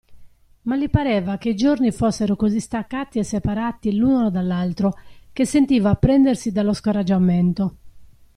Ma gli pareva che i giorni fossero così staccati e separati l'uno dall'altro che sentiva prendersi dallo scoraggiamento.